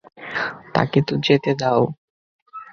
তাকে তো যেতে দাও।